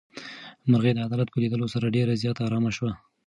مرغۍ د عدالت په لیدلو سره ډېره زیاته ارامه شوه.